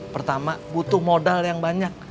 pertama butuh modal yang banyak